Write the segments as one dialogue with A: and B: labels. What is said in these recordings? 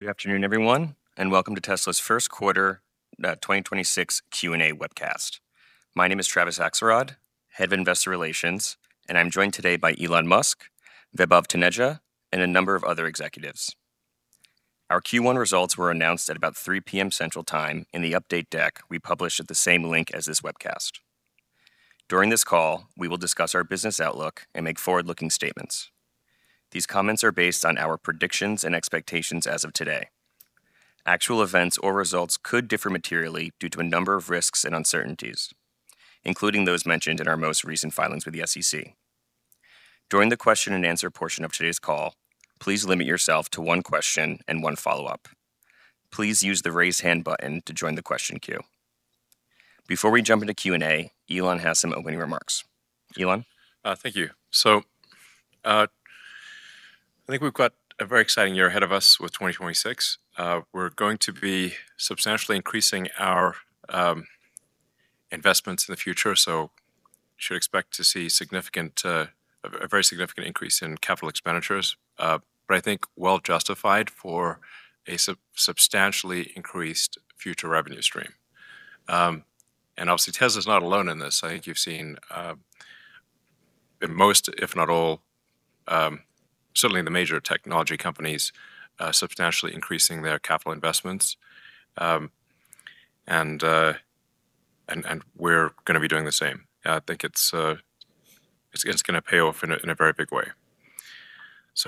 A: Good afternoon, everyone, and welcome to Tesla's first quarter 2026 Q&A webcast. My name is Travis Axelrod, Head of Investor Relations, and I'm joined today by Elon Musk, Vaibhav Taneja, and a number of other executives. Our Q1 results were announced at about 3:00 P.M. Central Time in the update deck we published at the same link as this webcast. During this call, we will discuss our business outlook and make forward-looking statements. These comments are based on our predictions and expectations as of today. Actual events or results could differ materially due to a number of risks and uncertainties, including those mentioned in our most recent filings with the SEC. During the question and answer portion of today's call, please limit yourself to one question and one follow-up. Please use the raise hand button to join the question queue. Before we jump into Q&A, Elon has some opening remarks. Elon?
B: Thank you. I think we've got a very exciting year ahead of us with 2026. We're going to be substantially increasing our investments in the future, so you should expect to see a very significant increase in capital expenditures. I think it's well justified for a substantially increased future revenue stream. Obviously, Tesla is not alone in this. I think you've seen in most, if not all, certainly the major technology companies substantially increasing their capital investments. We're going to be doing the same. I think it's going to pay off in a very big way.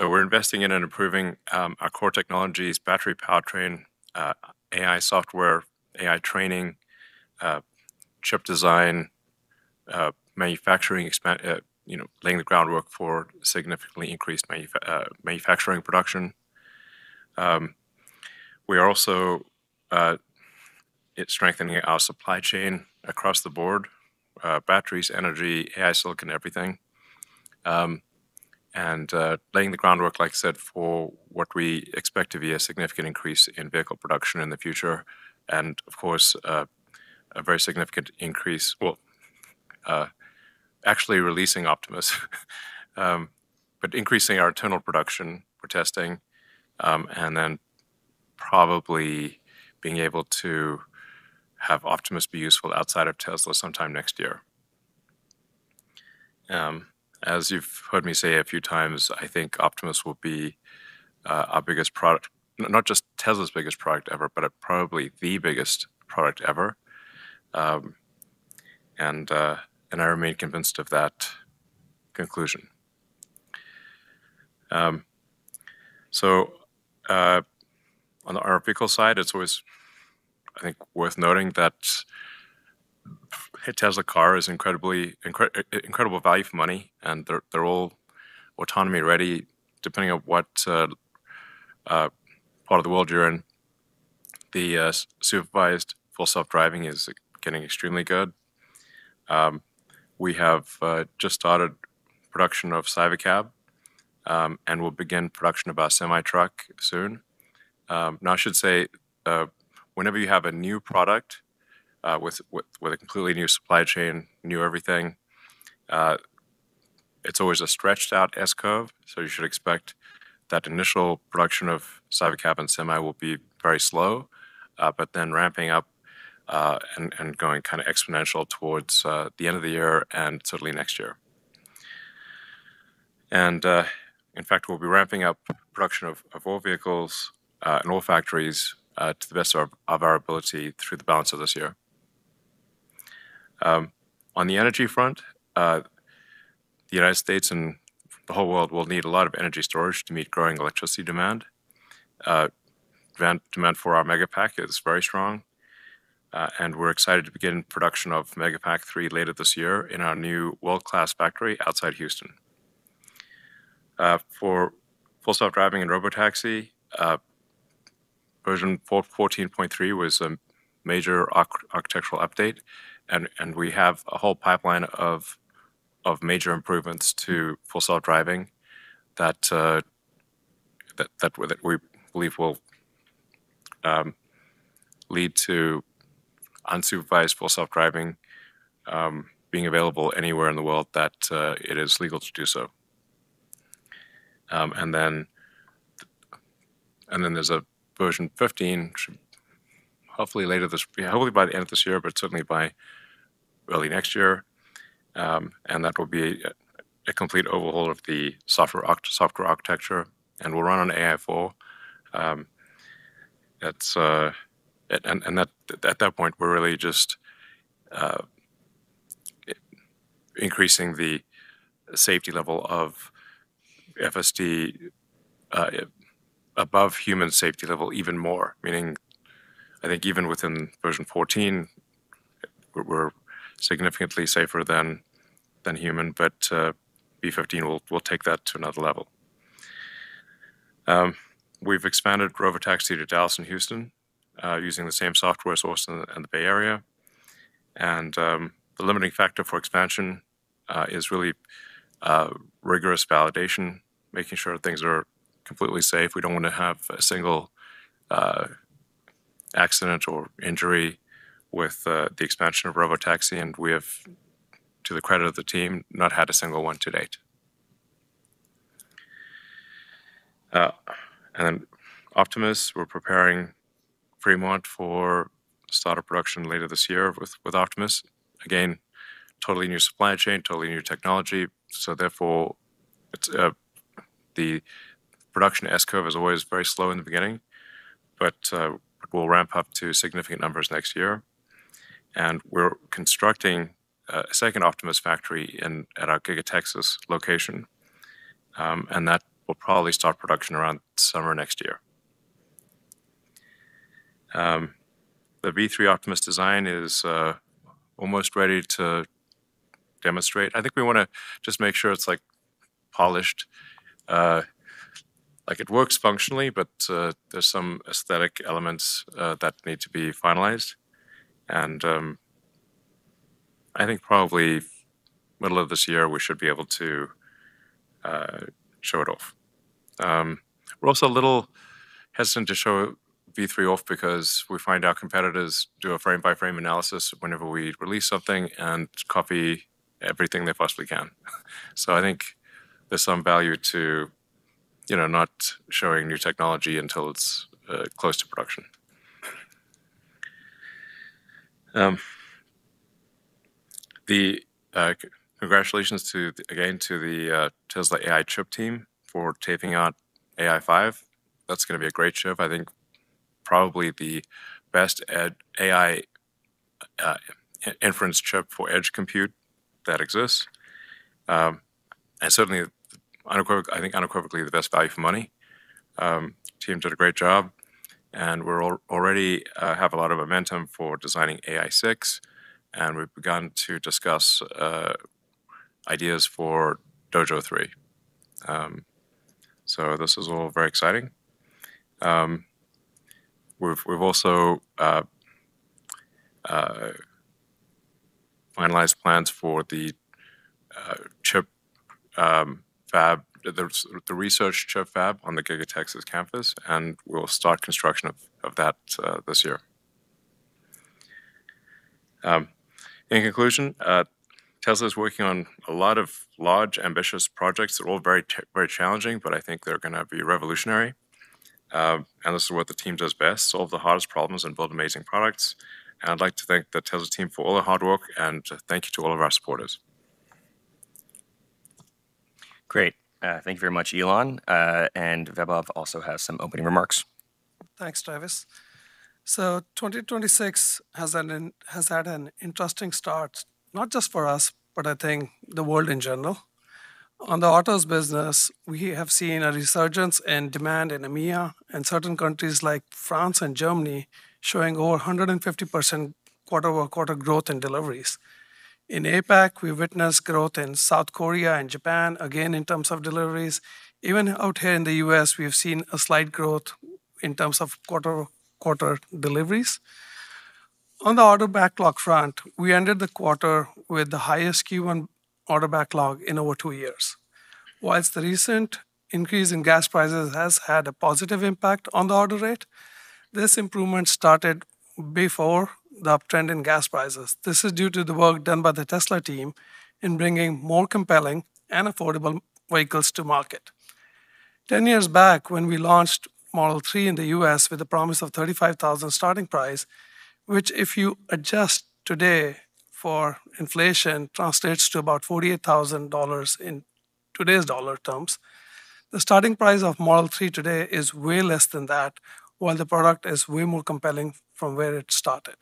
B: We're investing in and improving our core technologies, battery powertrain, AI software, AI training, chip design, laying the groundwork for significantly increased manufacturing production. We are also strengthening our supply chain across the board, batteries, energy, AI, silicon, everything. Laying the groundwork, like I said, for what we expect to be a significant increase in vehicle production in the future. Of course, a very significant increase. Well, actually releasing Optimus, but increasing our internal production for testing, and then probably being able to have Optimus be useful outside of Tesla sometime next year. As you've heard me say a few times, I think Optimus will be our biggest product, not just Tesla's biggest product ever, but probably the biggest product ever. I remain convinced of that conclusion. On our vehicle side, it's always, I think, worth noting that a Tesla car is incredible value for money, and they're all autonomy-ready, depending on what part of the world you're in. The supervised Full Self-Driving is getting extremely good. We have just started production of Cybercab, and we'll begin production of our Tesla Semi soon. Now, I should say, whenever you have a new product with a completely new supply chain, new everything, it's always a stretched-out S curve, so you should expect that initial production of Cybercab and Semi will be very slow, but then ramping up, and going exponential towards the end of the year and certainly next year. In fact, we'll be ramping up production of all vehicles, in all factories, to the best of our ability through the balance of this year. On the energy front, the United States and the whole world will need a lot of energy storage to meet growing electricity demand. Demand for our Megapack is very strong. We're excited to begin production of Megapack 3 later this year in our new world-class factory outside Houston. For Full Self-Driving and Robotaxi, version 14.3 was a major architectural update, and we have a whole pipeline of major improvements to Full Self-Driving that we believe will lead to unsupervised Full Self-Driving being available anywhere in the world that it is legal to do so. Then there's a version 15, hopefully by the end of this year, but certainly by early next year. That will be a complete overhaul of the software architecture, and will run on AI4. At that point, we're really just increasing the safety level of FSD above human safety level even more, meaning I think even within version 14, we're significantly safer than human, but V15 will take that to another level. We've expanded Robotaxi to Dallas and Houston, using the same software source in the Bay Area. The limiting factor for expansion is really rigorous validation, making sure things are completely safe. We don't want to have a single accidental injury with the expansion of Robotaxi, and we have, to the credit of the team, not had a single one to date. Optimus, we're preparing Fremont for start of production later this year with Optimus. Again, totally new supply chain, totally new technology, so therefore, the production S curve is always very slow in the beginning. We'll ramp up to significant numbers next year, and we're constructing a second Optimus factory at our Giga Texas location, and that will probably start production around summer next year. The V3 Optimus design is almost ready to demonstrate. I think we want to just make sure it's polished. Like it works functionally, but there's some aesthetic elements that need to be finalized, and I think probably middle of this year, we should be able to show it off. We're also a little hesitant to show V3 off because we find our competitors do a frame-by-frame analysis whenever we release something and copy everything they possibly can. I think there's some value to not showing new technology until it's close to production. Congratulations again to the Tesla AI chip team for taping out AI5. That's going to be a great chip. I think probably the best AI inference chip for edge compute that exists. Certainly, I think unequivocally the best value for money. Team did a great job, and we already have a lot of momentum for designing AI6, and we've begun to discuss ideas for Dojo 3. This is all very exciting. We've also finalized plans for the research chip fab on the Giga Texas campus, and we'll start construction of that this year. In conclusion, Tesla is working on a lot of large, ambitious projects. They're all very challenging, but I think they're going to be revolutionary. This is what the team does best, solve the hardest problems and build amazing products. I'd like to thank the Tesla team for all their hard work and thank you to all of our supporters.
A: Great. Thank you very much, Elon. Vaibhav also has some opening remarks.
C: Thanks, Travis. 2026 has had an interesting start, not just for us, but I think the world in general. On the autos business, we have seen a resurgence in demand in EMEA and certain countries like France and Germany showing over 150% quarter-over-quarter growth in deliveries. In APAC, we witnessed growth in South Korea and Japan, again, in terms of deliveries. Even out here in the U.S., we have seen a slight growth in terms of quarter-over-quarter deliveries. On the order backlog front, we ended the quarter with the highest Q1 order backlog in over two years. While the recent increase in gas prices has had a positive impact on the order rate, this improvement started before the uptrend in gas prices. This is due to the work done by the Tesla team in bringing more compelling and affordable vehicles to market. Ten years back, when we launched Model 3 in the U.S. with the promise of $35,000 starting price, which if you adjust today for inflation, translates to about $48,000 in today's dollar terms. The starting price of Model 3 today is way less than that, while the product is way more compelling from where it started.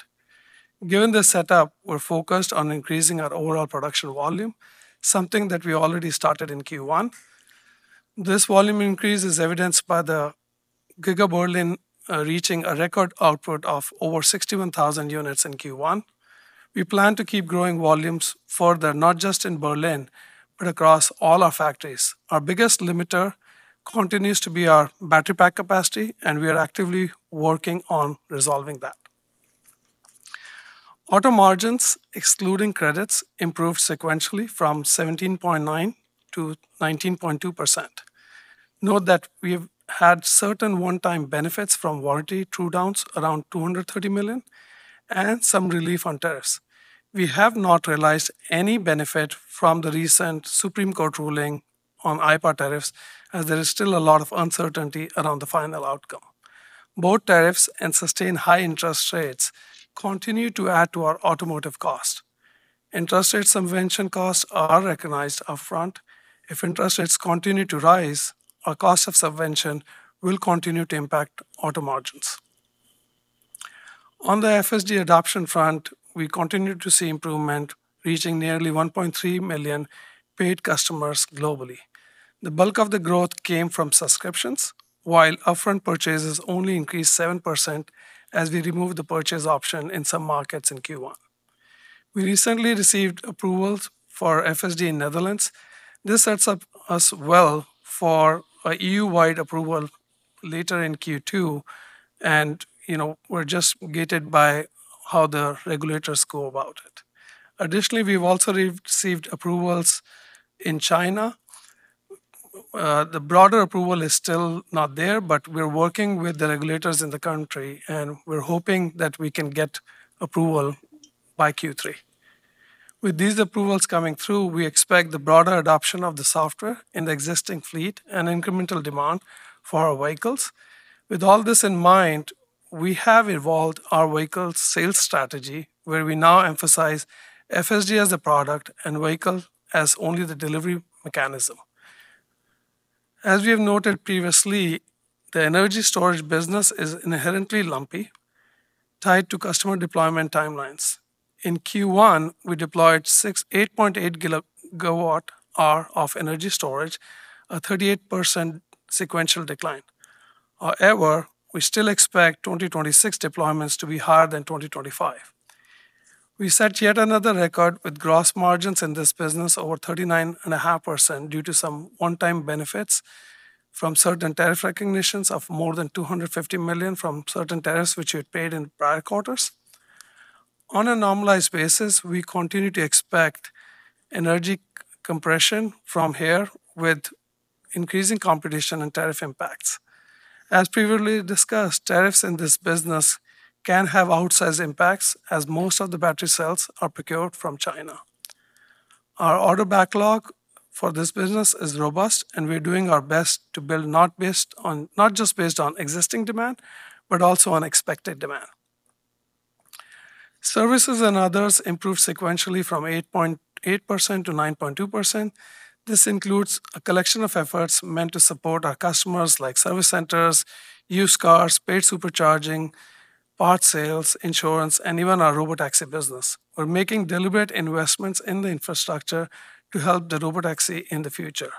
C: Given this setup, we're focused on increasing our overall production volume, something that we already started in Q1. This volume increase is evidenced by the Giga Berlin reaching a record output of over 61,000 units in Q1. We plan to keep growing volumes further, not just in Berlin, but across all our factories. Our biggest limiter continues to be our battery pack capacity, and we are actively working on resolving that. Auto margins, excluding credits, improved sequentially from 17.9%-19.2%. Note that we've had certain one-time benefits from warranty write-downs around $230 million and some relief on tariffs. We have not realized any benefit from the recent Supreme Court ruling on IPR tariffs, as there is still a lot of uncertainty around the final outcome. Both tariffs and sustained high interest rates continue to add to our automotive costs. Interest rate subvention costs are recognized upfront. If interest rates continue to rise, our cost of subvention will continue to impact auto margins. On the FSD adoption front, we continue to see improvement, reaching nearly 1.3 million paid customers globally. The bulk of the growth came from subscriptions, while upfront purchases only increased 7% as we removed the purchase option in some markets in Q1. We recently received approvals for FSD in the Netherlands. This sets us up well for an EU-wide approval later in Q2, and we're just gated by how the regulators go about it. Additionally, we've also received approvals in China. The broader approval is still not there, but we're working with the regulators in the country, and we're hoping that we can get approval by Q3. With these approvals coming through, we expect the broader adoption of the software in the existing fleet and incremental demand for our vehicles. With all this in mind, we have evolved our vehicle sales strategy, where we now emphasize FSD as a product and vehicle as only the delivery mechanism. As we have noted previously, the energy storage business is inherently lumpy, tied to customer deployment timelines. In Q1, we deployed 8.8 GWh of energy storage, a 38% sequential decline. However, we still expect 2026 deployments to be higher than 2025. We set yet another record with gross margins in this business over 39.5% due to some one-time benefits from certain tariff recognitions of more than $250 million from certain tariffs which we had paid in prior quarters. On a normalized basis, we continue to expect energy compression from here with increasing competition and tariff impacts. As previously discussed, tariffs in this business can have outsized impacts as most of the battery cells are procured from China. Our order backlog for this business is robust, and we're doing our best to build not just based on existing demand, but also on expected demand. Services and others improved sequentially from 8.8% to 9.2%. This includes a collection of efforts meant to support our customers, like service centers, used cars, paid Supercharging, parts sales, insurance, and even our Robotaxi business. We're making deliberate investments in the infrastructure to help the Robotaxi in the future.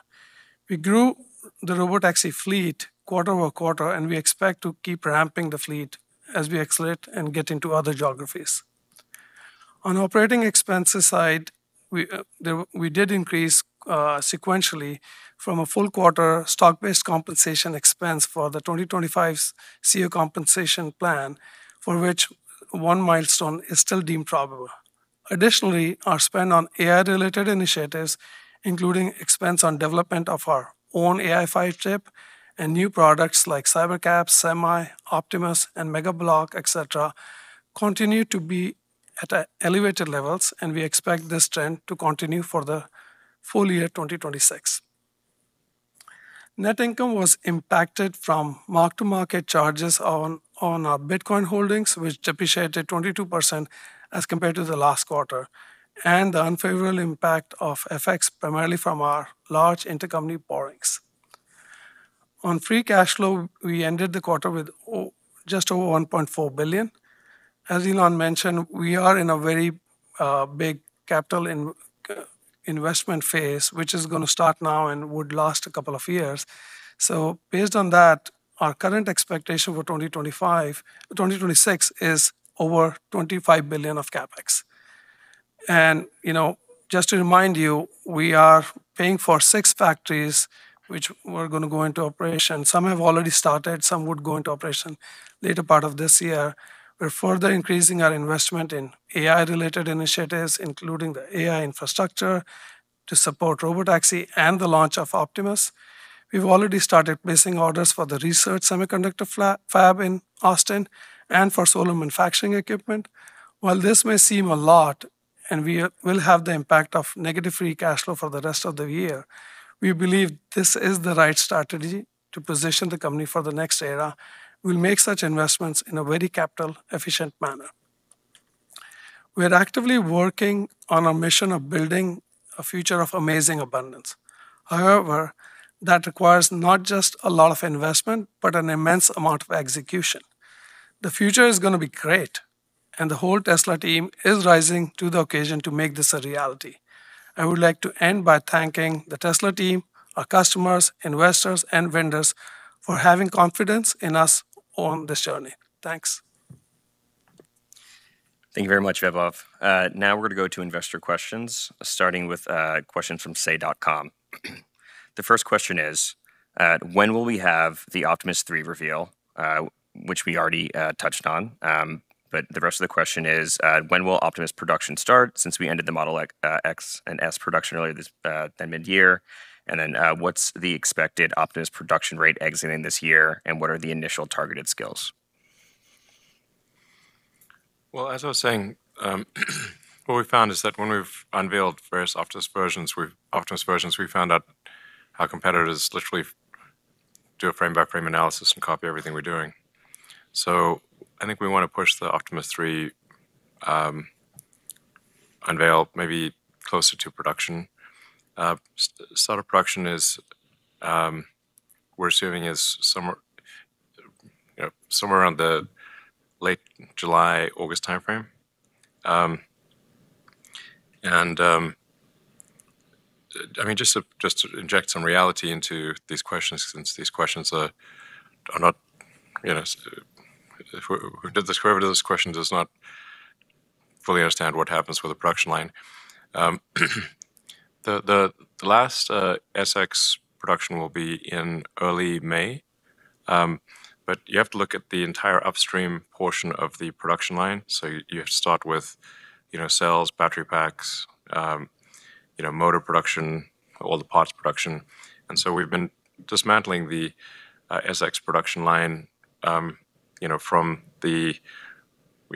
C: We grew the Robotaxi fleet quarter-over-quarter, and we expect to keep ramping the fleet as we accelerate and get into other geographies. On operating expenses side, we did increase sequentially from a full quarter stock-based compensation expense for the 2025 CEO compensation plan, for which one milestone is still deemed probable. Additionally, our spend on AI-related initiatives, including expense on development of our own AI5 chip and new products like Cybercab, Semi, Optimus, and Megapack, et cetera, continue to be at elevated levels, and we expect this trend to continue for the full year 2026. Net income was impacted from mark-to-market charges on our Bitcoin holdings, which depreciated 22% as compared to the last quarter, and the unfavorable impact of FX, primarily from our large intercompany borrowings. On free cash flow, we ended the quarter with just over $1.4 billion. As Elon mentioned, we are in a very big capital investment phase, which is going to start now and would last a couple of years. Based on that, our current expectation for 2026 is over $25 billion of CapEx. Just to remind you, we are paying for six factories which were going to go into operation. Some have already started, some would go into operation later part of this year. We're further increasing our investment in AI-related initiatives, including the AI infrastructure to support Robotaxi and the launch of Optimus. We've already started placing orders for the research semiconductor fab in Austin and for solar manufacturing equipment. While this may seem a lot, and we will have the impact of negative free cash flow for the rest of the year, we believe this is the right strategy to position the company for the next era. We'll make such investments in a very capital efficient manner. We are actively working on our mission of building a future of amazing abundance. However, that requires not just a lot of investment, but an immense amount of execution. The future is going to be great, and the whole Tesla team is rising to the occasion to make this a reality. I would like to end by thanking the Tesla team, our customers, investors and vendors for having confidence in us on this journey. Thanks.
A: Thank you very much, Vaibhav. Now we're going to go to investor questions, starting with a question from Say.com. The first question is: when will we have the Optimus 3 reveal? Which we already touched on, but the rest of the question is: when will Optimus production start, since we ended the Model X and S production earlier mid-year? And then, what's the expected Optimus production rate exiting this year, and what are the initial targeted scales?
B: Well, as I was saying, what we've found is that when we've unveiled various Optimus versions, we've found out our competitors literally do a frame-by-frame analysis and copy everything we're doing. I think we want to push the Optimus 3 unveil maybe closer to production. Start of production is, we're assuming, somewhere around the late July, August timeframe. Just to inject some reality into these questions, since these questions are. Whoever did those questions does not fully understand what happens with a production line. The last S/X production will be in early May. You have to look at the entire upstream portion of the production line. You have to start with cells, battery packs, motor production, all the parts production. We've been dismantling the S/X production line from the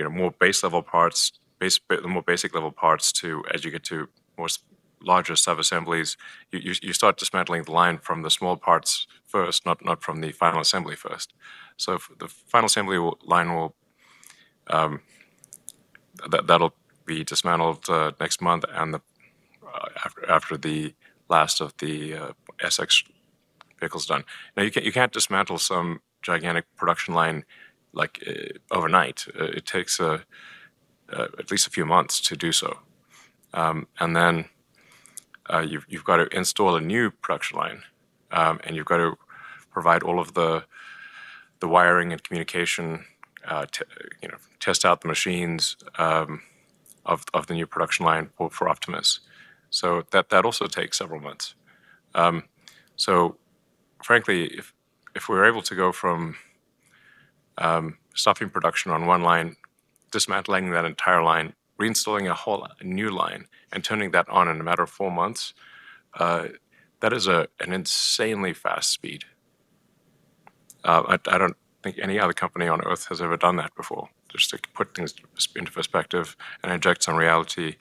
B: more basic level parts to, as you get to more larger sub-assemblies, you start dismantling the line from the small parts first, not from the final assembly first. The final assembly line, that'll be dismantled next month after the last of the S/X vehicle's done. You can't dismantle some gigantic production line overnight. It takes at least a few months to do so. You've got to install a new production line, and you've got to provide all of the wiring and communication, test out the machines of the new production line for Optimus. That also takes several months. Frankly, if we're able to go from stopping production on one line, dismantling that entire line, reinstalling a whole new line, and turning that on in a matter of four months, that is an insanely fast speed. I don't think any other company on Earth has ever done that before, just to put things into perspective and inject some reality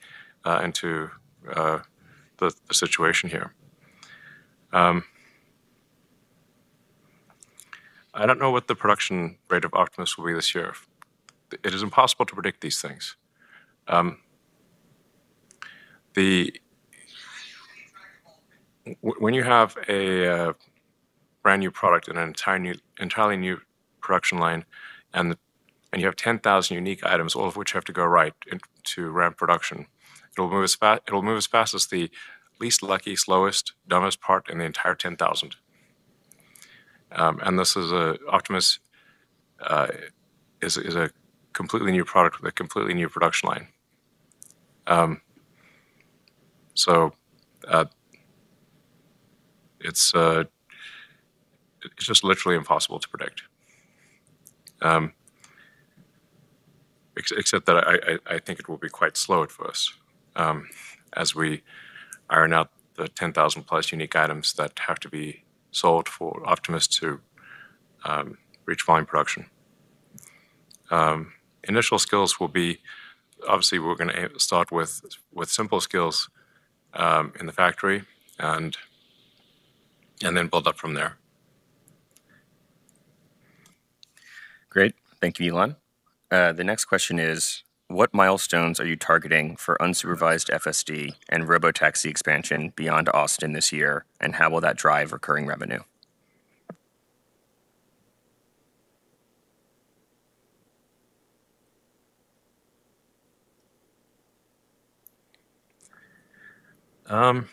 B: into the situation here. I don't know what the production rate of Optimus will be this year. It is impossible to predict these things. When you have a brand-new product and an entirely new production line, and you have 10,000 unique items, all of which have to go right to ramp production, it'll move as fast as the least lucky, slowest, dumbest part in the entire 10,000. Optimus is a completely new product with a completely new production line. It's just literally impossible to predict. Except that I think it will be quite slow at first as we iron out the 10,000+ unique items that have to be solved for Optimus to reach volume production. Initial skills will be, obviously, we're going to start with simple skills in the factory and then build up from there.
A: Great. Thank you, Elon. The next question is, what milestones are you targeting for unsupervised FSD and Robotaxi expansion beyond Austin this year, and how will that drive recurring revenue?
B: Well,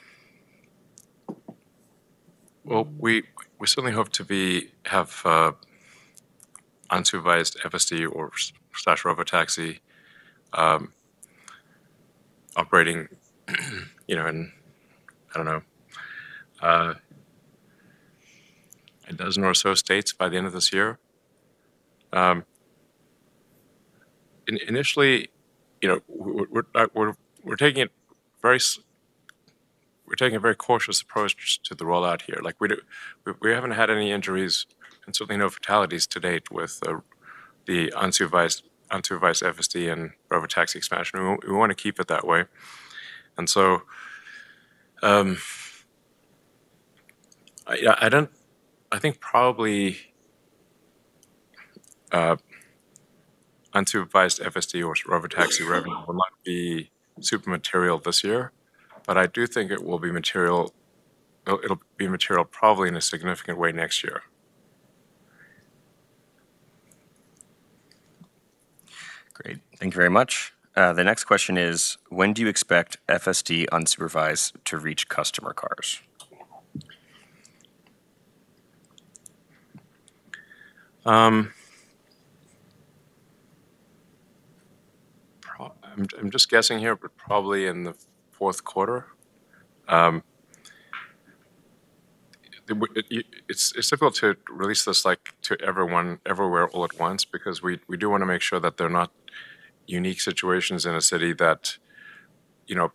B: we certainly hope to have unsupervised FSD or Robotaxi operating in, I don't know, a dozen or so states by the end of this year. Initially, we're taking a very cautious approach to the rollout here. We haven't had any injuries and certainly no fatalities to date with the unsupervised FSD and Robotaxi expansion. We want to keep it that way. I think probably unsupervised FSD or Robotaxi revenue will not be super material this year, but I do think it'll be material probably in a significant way next year.
A: Great. Thank you very much. The next question is, when do you expect FSD unsupervised to reach customer cars?
B: I'm just guessing here, but probably in the fourth quarter. It's difficult to release this to everyone, everywhere, all at once because we do want to make sure that there are not unique situations in a city that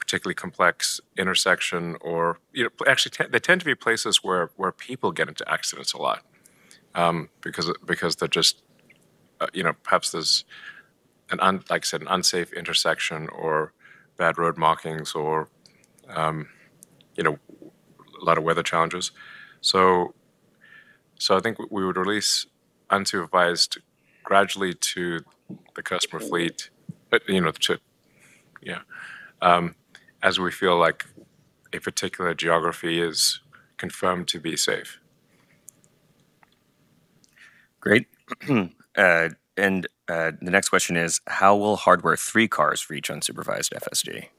B: particularly complex intersection. Actually, they tend to be places where people get into accidents a lot. Because perhaps there's, like I said, an unsafe intersection or bad road markings or a lot of weather challenges. I think we would release unsupervised gradually to the customer fleet as we feel like a particular geography is confirmed to be safe.
A: Great. The next question is, how will Hardware 3 cars reach unsupervised FSD?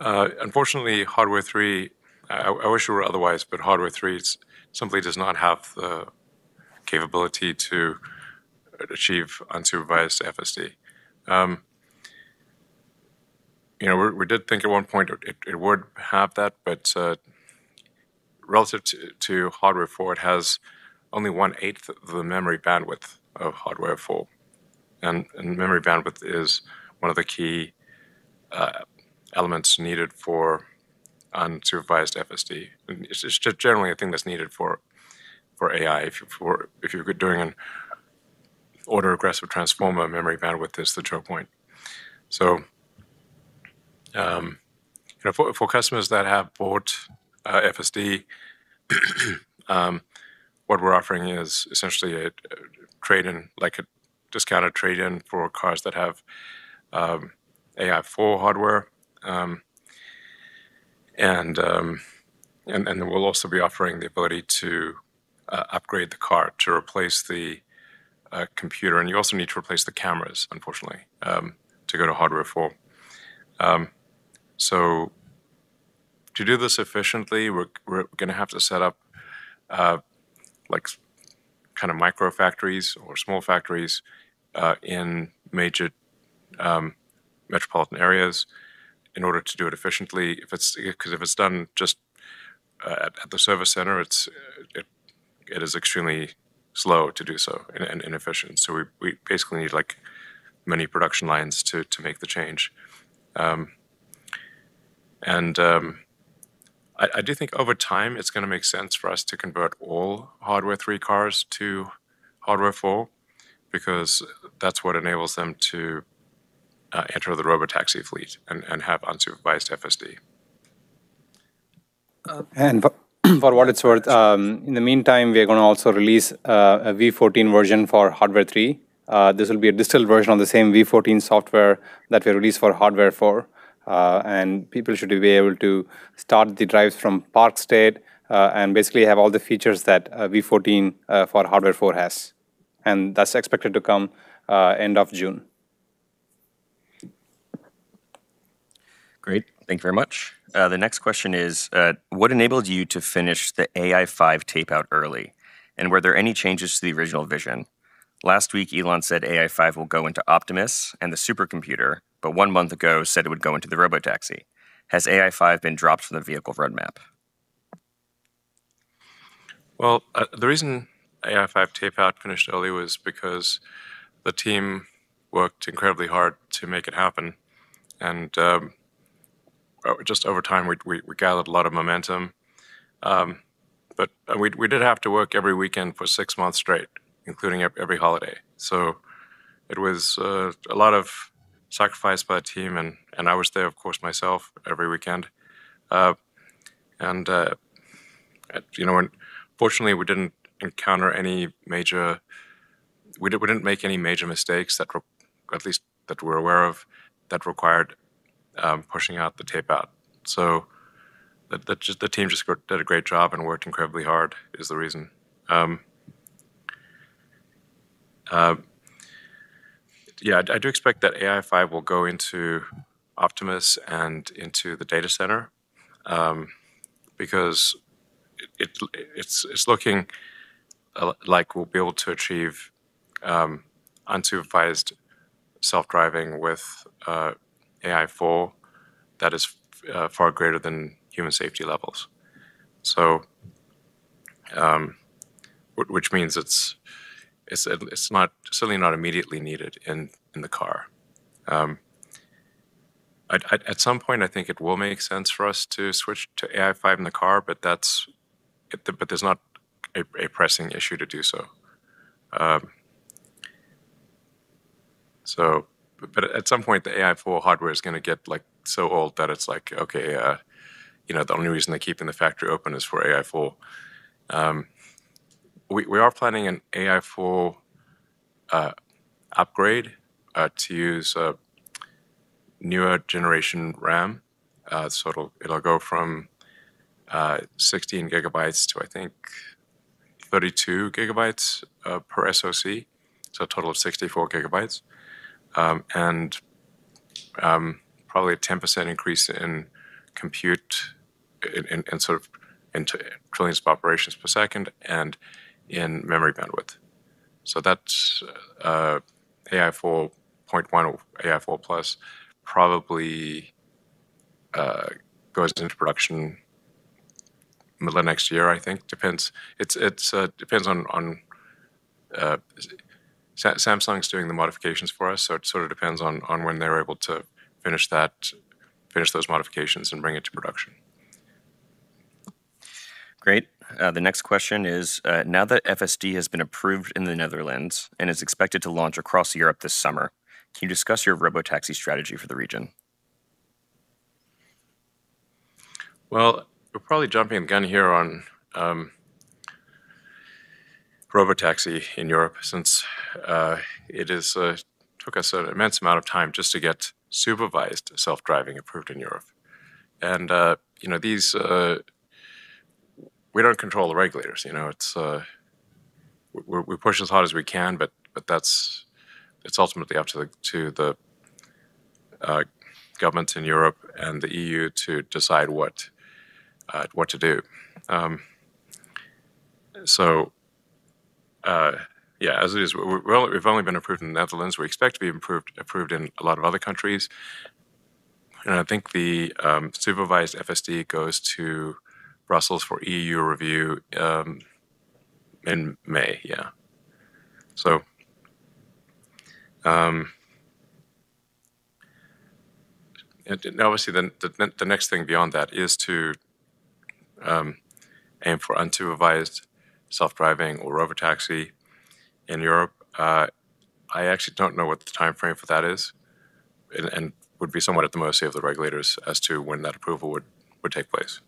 B: Unfortunately, Hardware 3, I wish it were otherwise, but Hardware 3 simply does not have the capability to achieve unsupervised FSD. We did think at one point it would have that, but relative to Hardware 4, it has only 1/8 of the memory bandwidth of Hardware 4. Memory bandwidth is one of the key elements needed for unsupervised FSD. It's just generally a thing that's needed for AI. If you're doing an autoregressive transformer, memory bandwidth is the choke point. For customers that have bought FSD, what we're offering is essentially a discounted trade-in for cars that have AI Hardware 4. We'll also be offering the ability to upgrade the car to replace the computer, and you also need to replace the cameras, unfortunately, to go to Hardware 4. To do this efficiently, we're going to have to set up micro factories or small factories in major metropolitan areas in order to do it efficiently. Because if it's done just at the service center, it is extremely slow to do so and inefficient. We basically need many production lines to make the change. I do think over time it's going to make sense for us to convert all Hardware 3 cars to Hardware 4, because that's what enables them to enter the Robotaxi fleet and have unsupervised FSD.
D: For what it's worth, in the meantime, we are going to also release a V14 version for Hardware 3. This will be a distilled version of the same V14 software that we released for Hardware 4. People should be able to start the drives from park state, and basically have all the features that V14 for Hardware 4 has. That's expected to come end of June.
A: Great. Thank you very much. The next question is, what enabled you to finish the AI5 tape-out early, and were there any changes to the original vision? Last week, Elon said AI5 will go into Optimus and the supercomputer, but one month ago said it would go into the Robotaxi. Has AI5 been dropped from the vehicle roadmap?
B: Well, the reason AI5 tape-out finished early was because the team worked incredibly hard to make it happen. Just over time, we gathered a lot of momentum. We did have to work every weekend for six months straight, including every holiday. It was a lot of sacrifice by the team and I was there, of course, myself, every weekend. Fortunately, we didn't make any major mistakes, at least that we're aware of, that required pushing out the tape-out. The team just did a great job and worked incredibly hard is the reason. I do expect that AI5 will go into Optimus and into the data center, because it's looking like we'll be able to achieve unsupervised self-driving with AI4 that is far greater than human safety levels. Which means it's certainly not immediately needed in the car. At some point, I think it will make sense for us to switch to AI5 in the car, but there's not a pressing issue to do so. At some point the AI4 hardware is going to get so old that it's like, okay, the only reason they're keeping the factory open is for AI4. We are planning an AI4 upgrade to use a newer generation RAM. It'll go from 16 gigabytes to, I think, 32 gigabytes per SoC, so a total of 64 gigabytes. Probably a 10% increase in compute in trillions of operations per second and in memory bandwidth. That's AI4.1 or AI4+ probably goes into production middle of next year, I think. Samsung's doing the modifications for us, so it sort of depends on when they're able to finish those modifications and bring it to production.
A: Great. The next question is, now that FSD has been approved in the Netherlands and is expected to launch across Europe this summer, can you discuss your robotaxi strategy for the region?
B: Well, we're probably jumping the gun here on Robotaxi in Europe since it took us an immense amount of time just to get supervised self-driving approved in Europe. We don't control the regulators. We push as hard as we can, but it's ultimately up to the governments in Europe and the EU to decide what to do. Yeah, as it is, we've only been approved in the Netherlands. We expect to be approved in a lot of other countries. I think the supervised FSD goes to Brussels for EU review in May, yeah. Obviously, the next thing beyond that is to aim for unsupervised self-driving or Robotaxi in Europe. I actually don't know what the timeframe for that is, and would be somewhat at the mercy of the regulators as to when that approval would take place.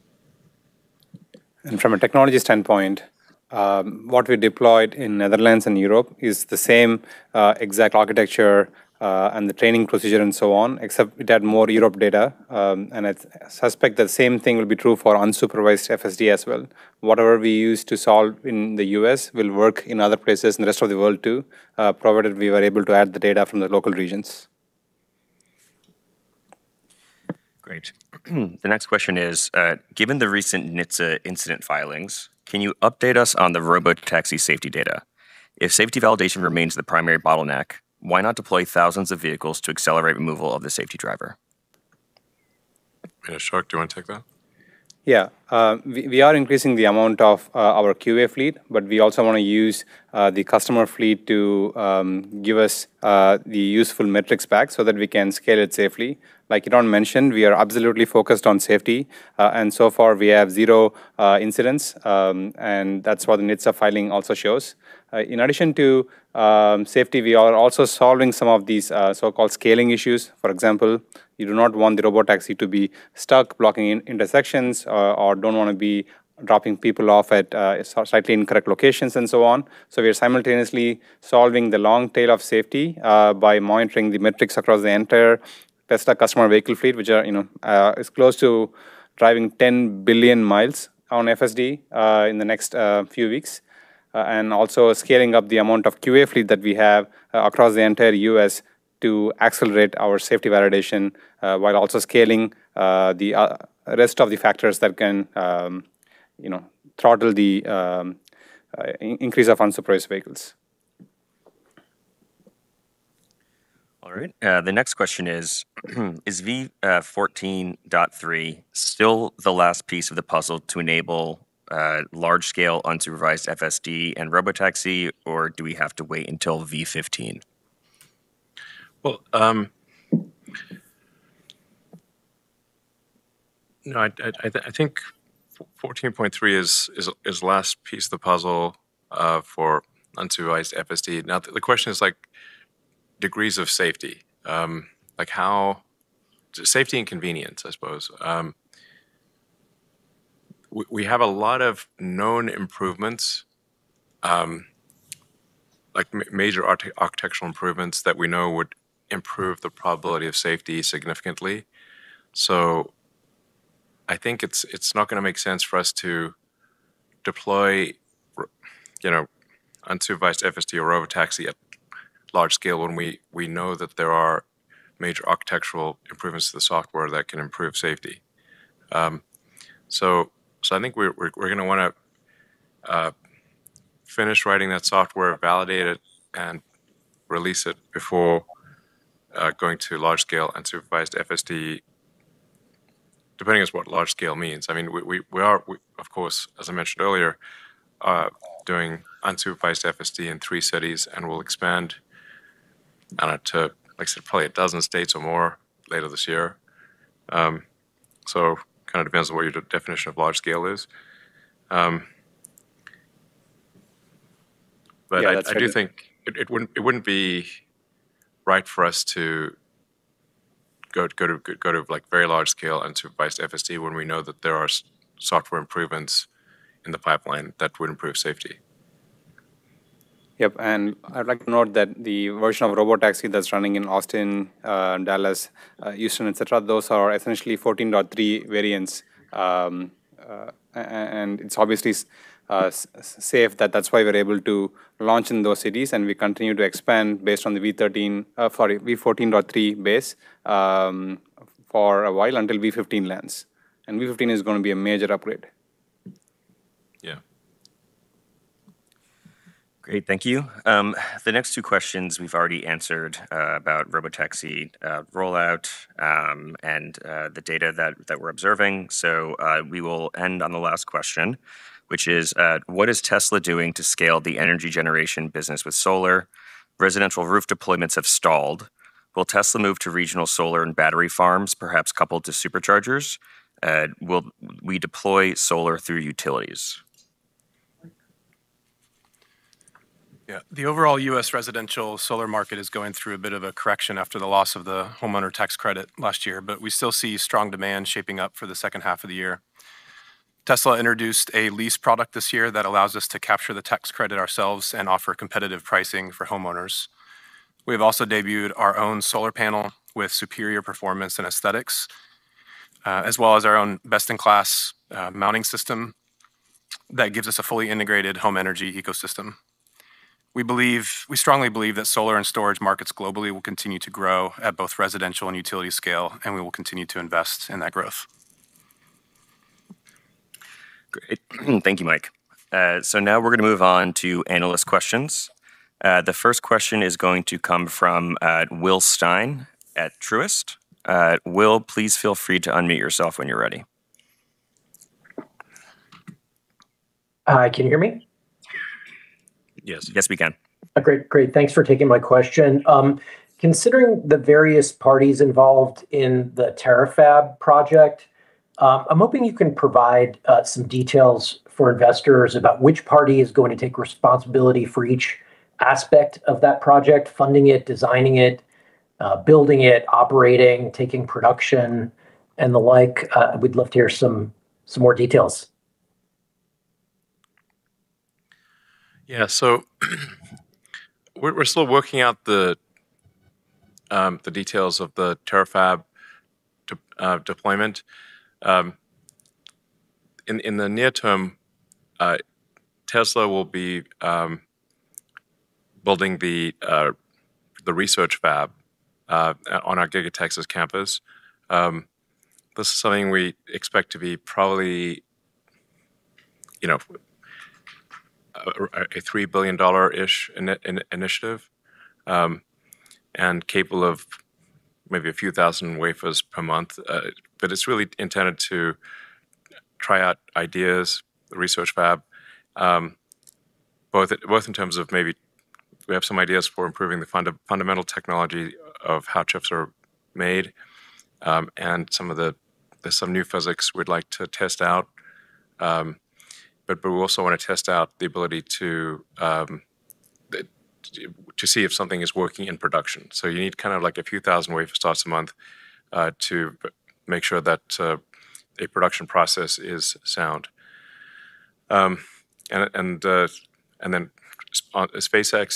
D: From a technology standpoint, what we deployed in the Netherlands and Europe is the same exact architecture, and the training procedure and so on, except it had more Europe data. I suspect the same thing will be true for unsupervised FSD as well. Whatever we use to solve in the U.S. will work in other places in the rest of the world too, provided we were able to add the data from the local regions.
A: Great. The next question is, given the recent NHTSA incident filings, can you update us on the Robotaxi safety data? If safety validation remains the primary bottleneck, why not deploy thousands of vehicles to accelerate removal of the safety driver?
B: Yeah. Ashok, do you want to take that?
D: Yeah. We are increasing the amount of our QA fleet, but we also want to use the customer fleet to give us the useful metrics back so that we can scale it safely. Like Elon mentioned, we are absolutely focused on safety. So far, we have zero incidents, and that's what the NHTSA filing also shows. In addition to safety, we are also solving some of these so-called scaling issues. For example, you do not want the Robotaxi to be stuck blocking intersections, or don't want to be dropping people off at slightly incorrect locations and so on. We are simultaneously solving the long tail of safety by monitoring the metrics across the entire Tesla customer vehicle fleet, which is close to driving 10 billion miles on FSD, in the next few weeks. Also scaling up the amount of QA fleet that we have across the entire U.S. to accelerate our safety validation, while also scaling the rest of the factors that can throttle the increase of unsupervised vehicles.
A: All right. The next question is V14.3 still the last piece of the puzzle to enable large-scale unsupervised FSD and Robotaxi, or do we have to wait until V15?
B: Well, no, I think 14.3 is the last piece of the puzzle for unsupervised FSD. Now, the question is degrees of safety and convenience, I suppose. We have a lot of known improvements, major architectural improvements that we know would improve the probability of safety significantly. I think it's not going to make sense for us to deploy unsupervised FSD or Robotaxi at large scale when we know that there are major architectural improvements to the software that can improve safety. I think we're going to want to finish writing that software, validate it, and release it before going to large-scale unsupervised FSD, depending on what large scale means. We are, of course, as I mentioned earlier, doing unsupervised FSD in three cities, and we'll expand on it to, like I said, probably a dozen states or more later this year. Depends on what your definition of large scale is. I do think it wouldn't be right for us to go to very large scale unsupervised FSD when we know that there are software improvements in the pipeline that would improve safety.
D: Yep, I'd like to note that the version of Robotaxi that's running in Austin, Dallas, Houston, et cetera, those are essentially 14.3 variants. It's obviously safe, that's why we're able to launch in those cities, and we continue to expand based on the V14.3 base for a while until V15 lands. V15 is going to be a major upgrade.
B: Yeah.
A: Great, thank you. The next two questions we've already answered about Robotaxi rollout, and the data that we're observing. We will end on the last question, which is, what is Tesla doing to scale the energy generation business with solar? Residential roof deployments have stalled. Will Tesla move to regional solar and battery farms, perhaps coupled to Superchargers? Will we deploy solar through utilities?
E: Yeah. The overall US residential solar market is going through a bit of a correction after the loss of the homeowner tax credit last year. We still see strong demand shaping up for the second half of the year. Tesla introduced a lease product this year that allows us to capture the tax credit ourselves and offer competitive pricing for homeowners. We have also debuted our own solar panel with superior performance and aesthetics, as well as our own best-in-class mounting system that gives us a fully integrated home energy ecosystem. We strongly believe that solar and storage markets globally will continue to grow at both residential and utility scale, and we will continue to invest in that growth.
A: Great. Thank you, Mike. Now we're going to move on to analyst questions. The first question is going to come from Will Stein at Truist. Will, please feel free to unmute yourself when you're ready.
F: Hi, can you hear me?
A: Yes, we can.
F: Great. Thanks for taking my question. Considering the various parties involved in the Terafab project, I'm hoping you can provide some details for investors about which party is going to take responsibility for each aspect of that project, funding it, designing it, building it, operating, taking production, and the like. We'd love to hear some more details.
B: Yeah. We're still working out the details of the Terafab deployment. In the near term, Tesla will be building the research fab on our Giga Texas campus. This is something we expect to be probably a $3 billion-ish initiative, and capable of maybe a few thousand wafers per month. It's really intended to try out ideas, the research fab, both in terms of maybe we have some ideas for improving the fundamental technology of how chips are made. There's some new physics we'd like to test out, but we also want to test out the ability to see if something is working in production. You need a few thousand wafer starts a month, to make sure that a production process is sound. SpaceX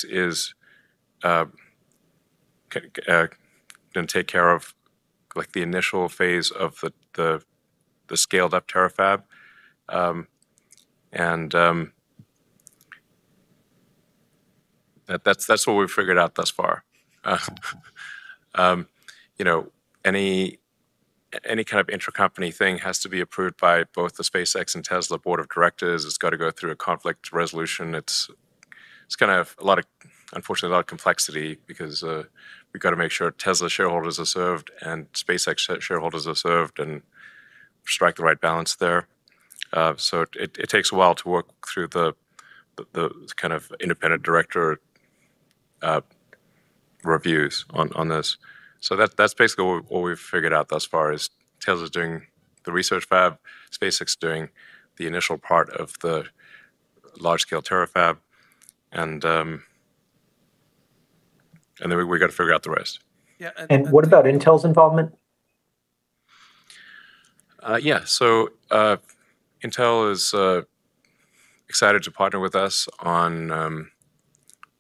B: is going to take care of the initial phase of the scaled up Terafab. That's what we've figured out thus far. Any kind of intra-company thing has to be approved by both the SpaceX and Tesla board of directors. It's got to go through a conflict resolution. It's going to have, unfortunately, a lot of complexity because we've got to make sure Tesla shareholders are served and SpaceX shareholders are served, and strike the right balance there. It takes a while to work through the kind of independent director reviews on this. That's basically what we've figured out thus far is Tesla's doing the research fab, SpaceX is doing the initial part of the large scale Terafab, and then we've got to figure out the rest.
F: What about Intel's involvement?
B: Yeah. Intel is excited to partner with us on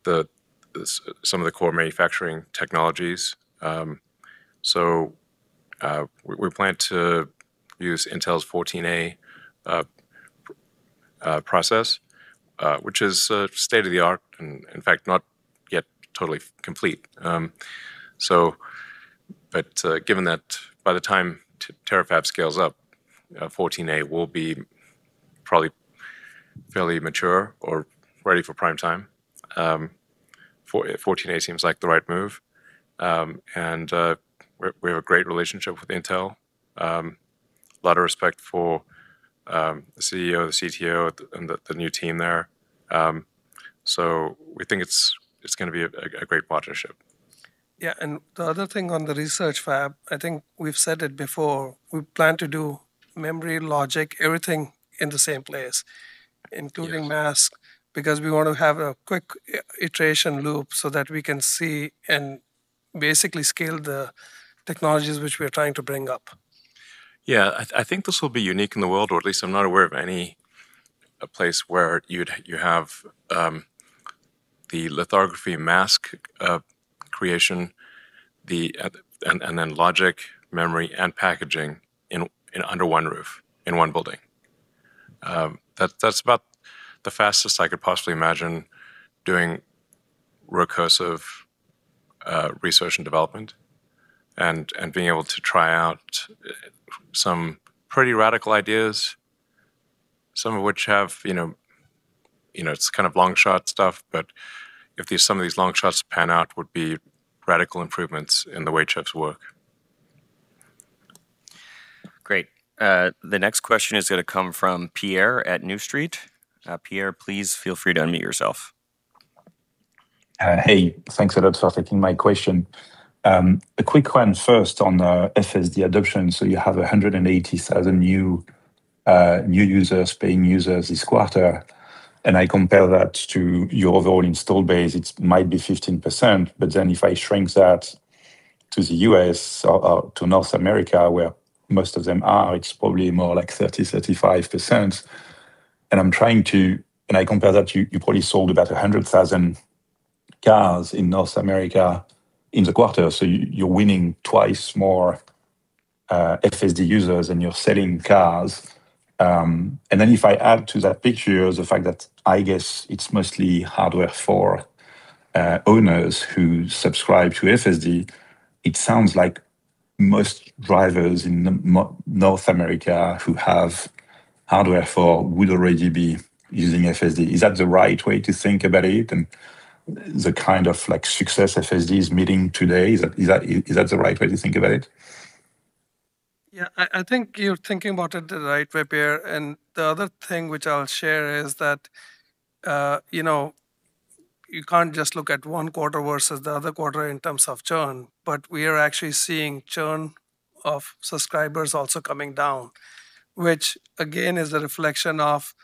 B: some of the core manufacturing technologies. We plan to use Intel's 14A process, which is state-of-the-art and in fact, not yet totally complete. Given that by the time Terafab scales up, 14A will be probably fairly mature or ready for prime time, 14A seems like the right move. We have a great relationship with Intel. A lot of respect for the CEO, the CTO and the new team there. We think it's going to be a great partnership.
C: Yeah. The other thing on the research fab, I think we've said it before, we plan to do memory, logic, everything in the same place, including mask, because we want to have a quick iteration loop so that we can see and basically scale the technologies which we are trying to bring up.
B: Yeah. I think this will be unique in the world, or at least I'm not aware of any place where you have the lithography mask creation, and then logic, memory and packaging under one roof in one building. That's about the fastest I could possibly imagine doing recursive research and development and being able to try out some pretty radical ideas, some of which have. It's kind of long shot stuff, but if some of these long shots pan out, would be radical improvements in the way chips work.
A: Great. The next question is going to come from Pierre at New Street. Pierre, please feel free to unmute yourself.
G: Hey, thanks a lot for taking my question. A quick one first on FSD adoption. You have 180,000 new users, paying users this quarter. I compare that to your overall installed base, it might be 15%, but then if I shrink that to the U.S. or to North America where most of them are, it's probably more like 30%-35%. I compare that to, you probably sold about 100,000 cars in North America in the quarter, so you're winning twice more FSD users than you're selling cars. If I add to that picture the fact that I guess it's mostly Hardware 4 owners who subscribe to FSD, it sounds like most drivers in North America who have Hardware 4 would already be using FSD. Is that the right way to think about it? The kind of success FSD is seeing today, is that the right way to think about it?
C: Yeah, I think you're thinking about it the right way, Pierre. The other thing which I'll share is that you can't just look at one quarter versus the other quarter in terms of churn, but we are actually seeing churn of subscribers also coming down, which again, is a reflection of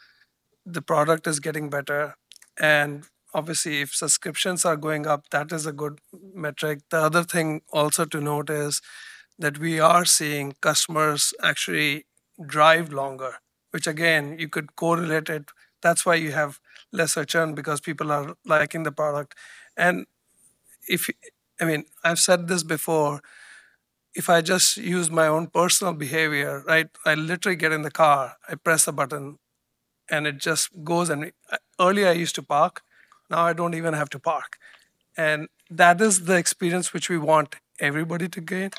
C: the product is getting better, and obviously if subscriptions are going up, that is a good metric. The other thing also to note is that we are seeing customers actually drive longer, which again, you could correlate it. That's why you have lesser churn because people are liking the product. I've said this before, if I just use my own personal behavior, I literally get in the car, I press a button, and it just goes. Earlier I used to park, now I don't even have to park. That is the experience which we want everybody to get,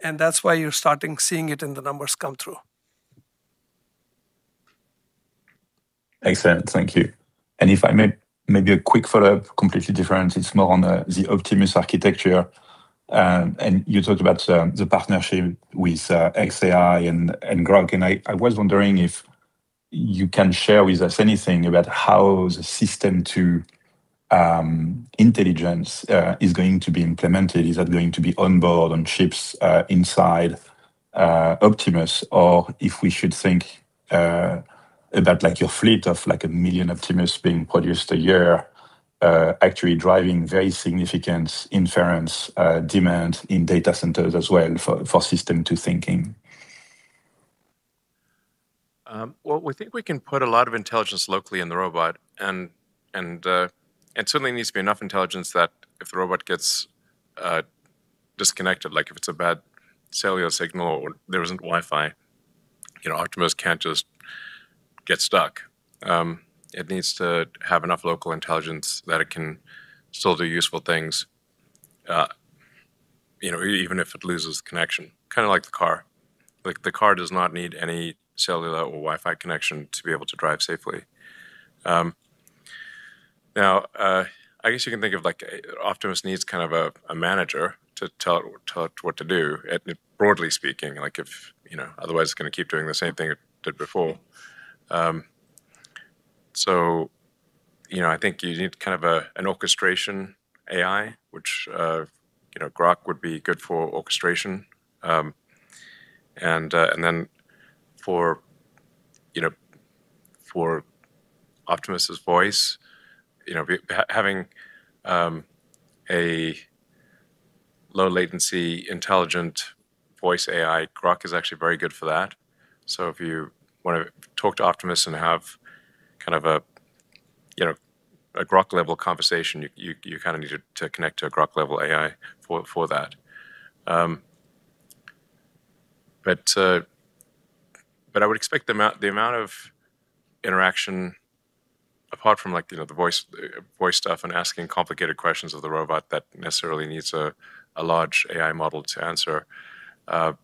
C: and that's why you're starting to see it in the numbers come through.
G: Excellent. Thank you. If I may, maybe a quick follow-up, completely different. It's more on the Optimus architecture. You talked about the partnership with xAI and Grok, and I was wondering if you can share with us anything about how the System 2 intelligence is going to be implemented. Is that going to be onboard on chips inside Optimus? Or if we should think about your fleet of one million Optimus being produced a year actually driving very significant inference demand in data centers as well for System 2 thinking.
B: Well, we think we can put a lot of intelligence locally in the robot, and certainly needs to be enough intelligence that if the robot gets disconnected, like if it's a bad cellular signal or there isn't Wi-Fi, Optimus can't just get stuck. It needs to have enough local intelligence that it can still do useful things, even if it loses connection, kind of like the car. The car does not need any cellular or Wi-Fi connection to be able to drive safely. Now, I guess you can think of Optimus needs kind of a manager to tell it what to do, broadly speaking, otherwise it's going to keep doing the same thing it did before. I think you need kind of an orchestration AI, which Grok would be good for orchestration. For Optimus' voice, having a low latency intelligent voice AI, Grok is actually very good for that. If you want to talk to Optimus and have kind of a Grok level conversation, you need to connect to a Grok level AI for that. I would expect the amount of interaction, apart from the voice stuff and asking complicated questions of the robot that necessarily needs a large AI model to answer, Grok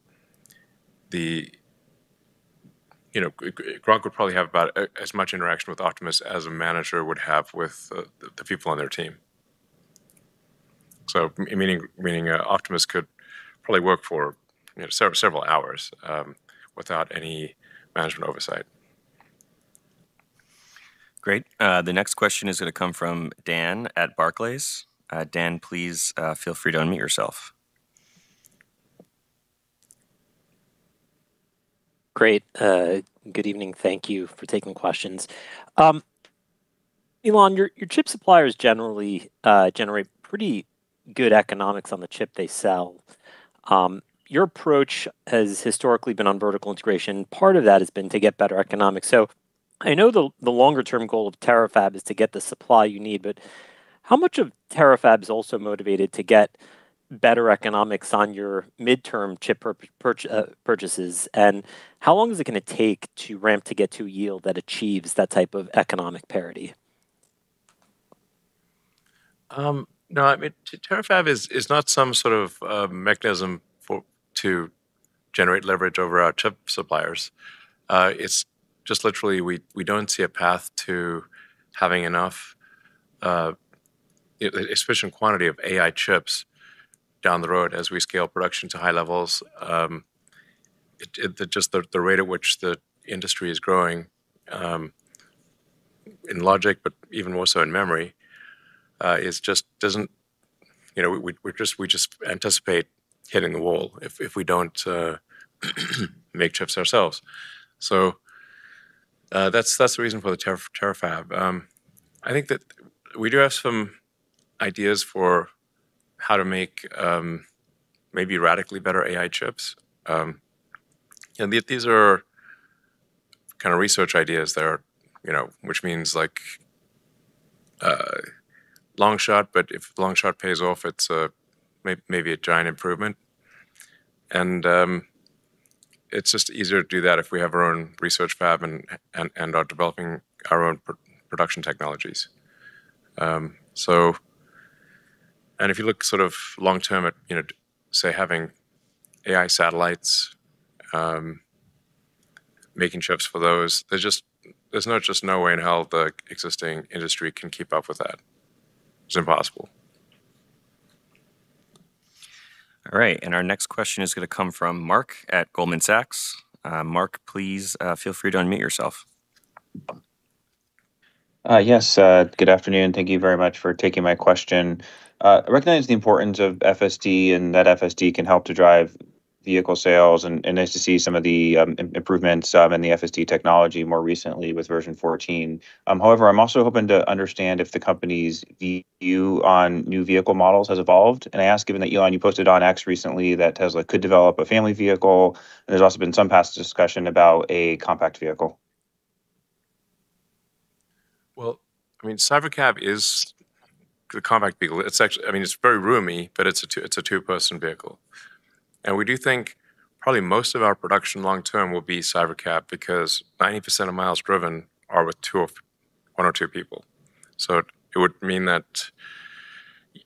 B: would probably have about as much interaction with Optimus as a manager would have with the people on their team. Meaning Optimus could probably work for several hours without any management oversight.
A: Great. The next question is going to come from Dan at Barclays. Dan, please feel free to unmute yourself.
H: Great. Good evening. Thank you for taking questions. Elon, your chip suppliers generally generate pretty good economics on the chip they sell. Your approach has historically been on vertical integration. Part of that has been to get better economics. I know the longer term goal of Terafab is to get the supply you need, but how much of Terafab is also motivated to get better economics on your midterm chip purchases, and how long is it going to take to ramp to get to a yield that achieves that type of economic parity?
B: No, Terafab is not some sort of mechanism to generate leverage over our chip suppliers. It's just literally we don't see a path to having enough sufficient quantity of AI chips down the road as we scale production to high levels. Just the rate at which the industry is growing, in logic but even more so in memory, we just anticipate hitting the wall if we don't make chips ourselves. That's the reason for the Terafab. I think that we do have some ideas for how to make maybe radically better AI chips. These are kind of research ideas there, which means long shot, but if long shot pays off, it's maybe a giant improvement. It's just easier to do that if we have our own research lab and are developing our own production technologies. If you look long term at say, having AI satellites, making chips for those, there's just no way in hell the existing industry can keep up with that. It's impossible.
A: All right. Our next question is going to come from Mark at Goldman Sachs. Mark, please feel free to unmute yourself.
I: Yes. Good afternoon. Thank you very much for taking my question. I recognize the importance of FSD, and that FSD can help to drive vehicle sales, and nice to see some of the improvements in the FSD technology more recently with version 14. However, I'm also hoping to understand if the company's view on new vehicle models has evolved. I ask, given that, Elon, you posted on X recently that Tesla could develop a family vehicle, and there's also been some past discussion about a compact vehicle.
B: Well, Cybercab is the compact vehicle. It's very roomy, but it's a two-person vehicle. We do think probably most of our production long term will be Cybercab because 90% of miles driven are with one or two people. It would mean that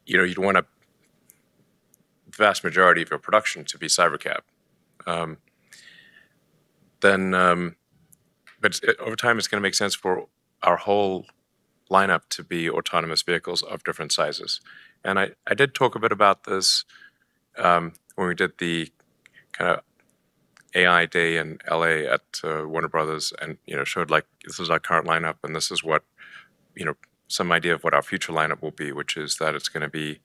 B: you'd want a vast majority of your production to be Cybercab. Over time, it's going to make sense for our whole lineup to be autonomous vehicles of different sizes. I did talk a bit about this when we did the AI Day in L.A. at Warner Bros. and showed this is our current lineup and this is some idea of what our future lineup will be, which is that it's going to be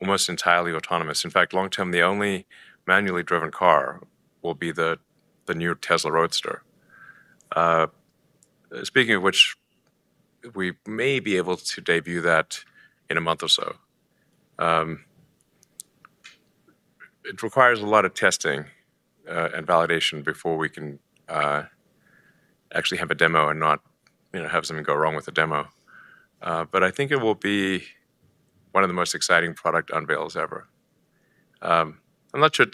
B: almost entirely autonomous. In fact, long term, the only manually driven car will be the new Tesla Roadster. Speaking of which, we may be able to debut that in a month or so. It requires a lot of testing and validation before we can actually have a demo and not have something go wrong with the demo. I think it will be one of the most exciting product unveils ever. I'm not sure.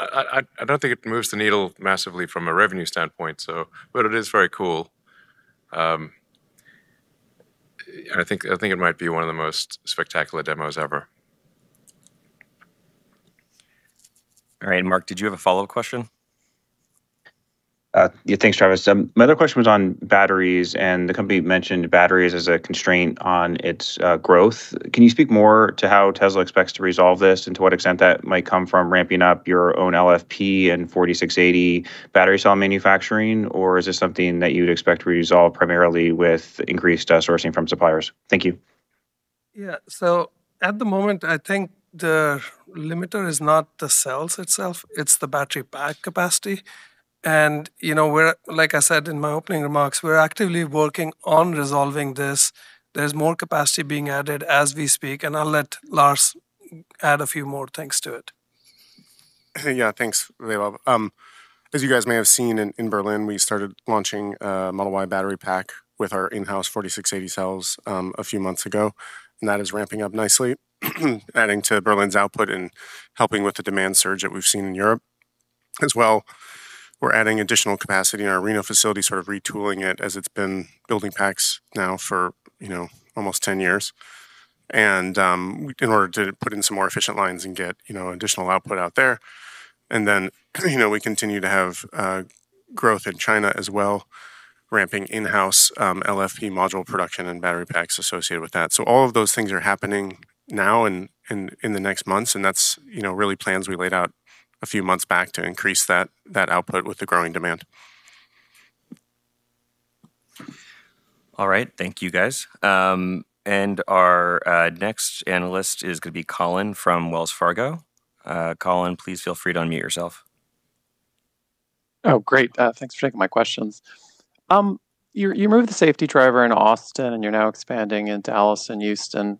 B: I don't think it moves the needle massively from a revenue standpoint, but it is very cool. I think it might be one of the most spectacular demos ever.
A: All right. Mark, did you have a follow-up question?
I: Yeah, thanks, Travis. My other question was on batteries, and the company mentioned batteries as a constraint on its growth. Can you speak more to how Tesla expects to resolve this and to what extent that might come from ramping up your own LFP and 4680 battery cell manufacturing? Or is this something that you'd expect to resolve primarily with increased sourcing from suppliers? Thank you.
C: Yeah. At the moment, I think the limiter is not the cells itself, it's the battery pack capacity. Like I said in my opening remarks, we're actively working on resolving this. There's more capacity being added as we speak, and I'll let Lars add a few more things to it.
J: Yeah, thanks, Vaibhav. As you guys may have seen in Berlin, we started launching a Model Y battery pack with our in-house 4680 cells a few months ago, and that is ramping up nicely, adding to Berlin's output and helping with the demand surge that we've seen in Europe. As well, we're adding additional capacity in our Reno facility, sort of retooling it as it's been building packs now for almost 10 years in order to put in some more efficient lines and get additional output out there. We continue to have growth in China as well, ramping in-house LFP module production and battery packs associated with that. All of those things are happening now and in the next months, and that's really plans we laid out a few months back to increase that output with the growing demand.
A: All right. Thank you, guys. Our next analyst is going to be Colin from Wells Fargo. Colin, please feel free to unmute yourself.
K: Oh, great. Thanks for taking my questions. You moved the safety driver in Austin, and you're now expanding into Dallas and Houston.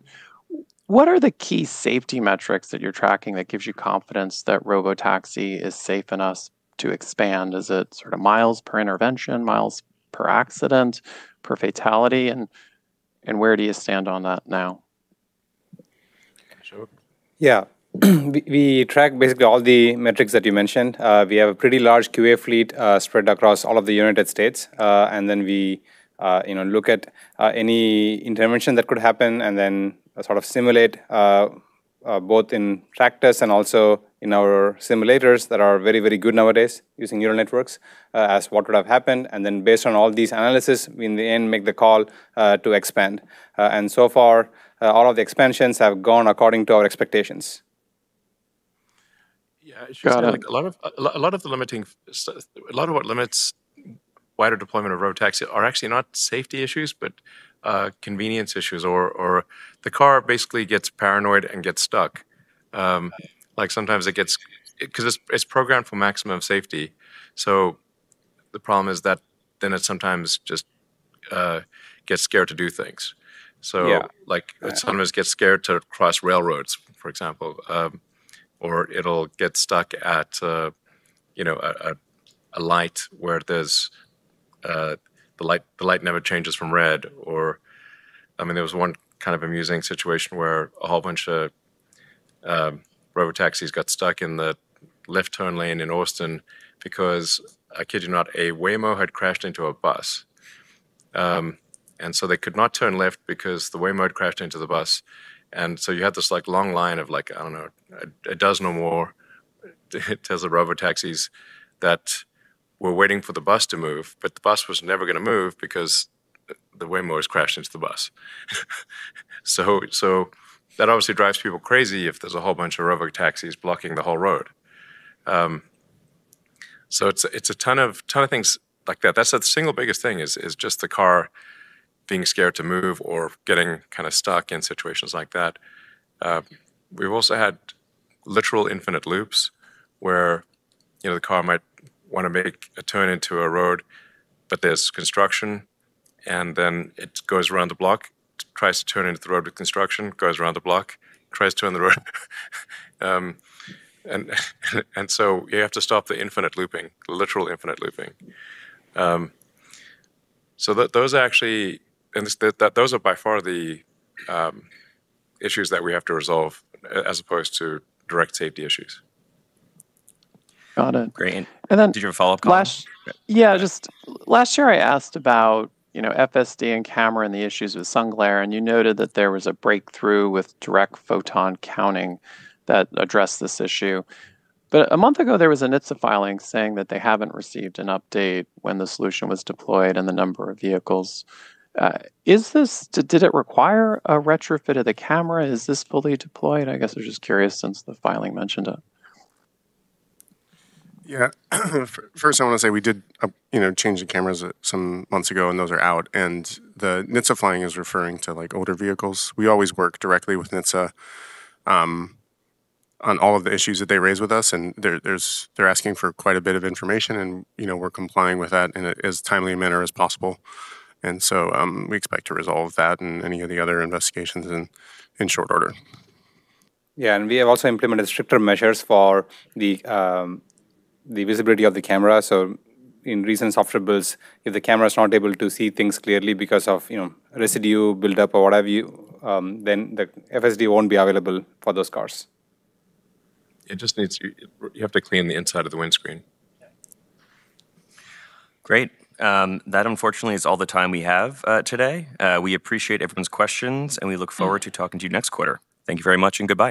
K: What are the key safety metrics that you're tracking that gives you confidence that Robotaxi is safe enough to expand? Is it miles per intervention, miles per accident, per fatality? Where do you stand on that now?
B: Ashok?
D: Yeah. We track basically all the metrics that you mentioned. We have a pretty large QA fleet spread across all of the United States. Then we look at any intervention that could happen and then sort of simulate both in practice and also in our simulators that are very good nowadays, using neural networks, as what would have happened. Then, based on all these analysis, in the end, we make the call to expand. So far, all of the expansions have gone according to our expectations.
B: Yeah. I think a lot of what limits wider deployment of Robotaxi are actually not safety issues, but convenience issues, or the car basically gets paranoid and gets stuck. Because it's programmed for maximum safety. The problem is that then it sometimes gets scared to do things.
K: Yeah.
B: Like it sometimes gets scared to cross railroads, for example, or it'll get stuck at a light where the light never changes from red. There was one kind of amusing situation where a whole bunch of robotaxis got stuck in the left turn lane in Austin because, I kid you not, a Waymo had crashed into a bus. They could not turn left because the Waymo had crashed into the bus. You had this long line of, I don't know, a dozen or more Tesla robotaxis that were waiting for the bus to move, but the bus was never going to move because the Waymo was crashed into the bus. That obviously drives people crazy if there's a whole bunch of robotaxis blocking the whole road. It's a ton of things like that. That's the single biggest thing is just the car being scared to move or getting stuck in situations like that. We've also had literal infinite loops where the car might want to make a turn into a road, but there's construction, and then it goes around the block, tries to turn into the road with construction, goes around the block, tries to turn the road. You have to stop the infinite looping, the literal infinite looping. Those are by far the issues that we have to resolve as opposed to direct safety issues.
K: Got it.
A: Great.
K: And then-
A: Did you have a follow-up, Colin?
K: Yeah. Last year, I asked about FSD and camera and the issues with sun glare, and you noted that there was a breakthrough with direct photon counting that addressed this issue. A month ago, there was a NHTSA filing saying that they haven't received an update when the solution was deployed and the number of vehicles. Did it require a retrofit of the camera? Is this fully deployed? I guess I'm just curious since the filing mentioned it.
B: Yeah. First, I want to say we did change the cameras some months ago, and those are out. The NHTSA filing is referring to older vehicles. We always work directly with NHTSA on all of the issues that they raise with us, and they're asking for quite a bit of information, and we're complying with that in as timely a manner as possible. We expect to resolve that and any of the other investigations in short order.
D: Yeah, we have also implemented stricter measures for the visibility of the camera. In recent software builds, if the camera is not able to see things clearly because of residue build-up or what have you, then the FSD won't be available for those cars.
B: You have to clean the inside of the windshield.
A: Great. That unfortunately is all the time we have today. We appreciate everyone's questions, and we look forward to talking to you next quarter. Thank you very much, and goodbye.